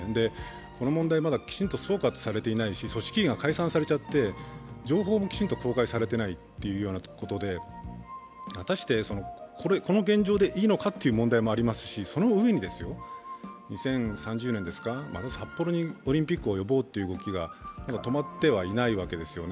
この問題、まだきちんと総括されていないし、組織委員会が解散されちゃって、情報もきちんと公開されていないということで果たして、この現状でいいのかという問題もありますし、そのうえに２０３０年ですか、また札幌にオリンピックを呼ぼうという動きが止まってはいないわけですよね。